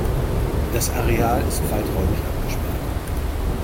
Das Areal ist weiträumig abgesperrt.